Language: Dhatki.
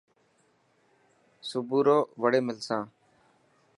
سپورو وڙي ملسان.